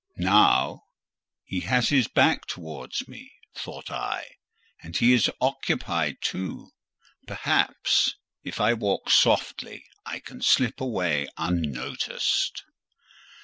"Now, he has his back towards me," thought I, "and he is occupied too; perhaps, if I walk softly, I can slip away unnoticed."